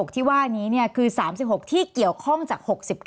ที่ว่านี้คือ๓๖ที่เกี่ยวข้องจาก๖๙